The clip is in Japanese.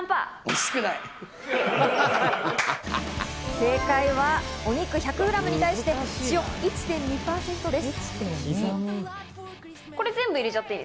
正解はお肉１００ｇに対して、塩１．２％です。